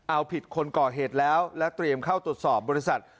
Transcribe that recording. เอาผิดคนก่อเหตุแล้วและเตรียมเข้าตรวจสอบบริษัท